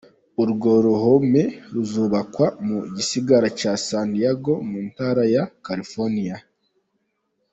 Urwo ruhome ruzubakwa mu gisagara ca San Diego mu ntara ya California.